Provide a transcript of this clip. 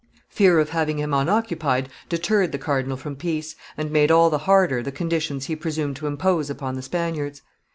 Fear of having him unoccupied deterred the cardinal from peace, and made all the harder the conditions he presumed to impose upon the Spaniards.